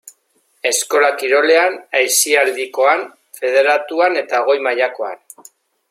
Eskola kirolean, aisialdikoan, federatuan eta goi-mailakoan.